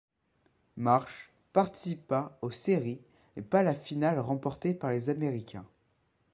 Marsh participa aux séries mais pas à la finale remportée par les Américains.